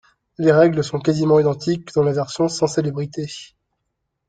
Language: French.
Les règles sont quasiment identique que la version sans célébrité.